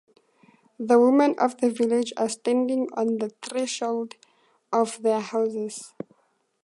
The women of the village are standing on the thresholds of their houses.